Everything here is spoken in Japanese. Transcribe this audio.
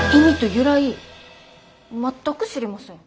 全く知りません。